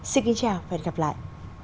xin kính chào và hẹn gặp lại